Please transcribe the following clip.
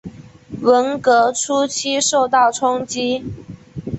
文革初期受到冲击。